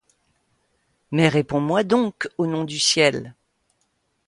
Mais réponds-moi donc, au nom du ciel!